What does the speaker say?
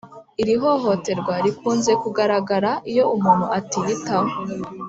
Iri hohoterwa rikunze kugaragara iyo umuntu atiyitaho